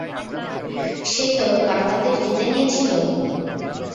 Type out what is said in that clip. সে তো বাংলা দেশ জিতে নিয়েছিল?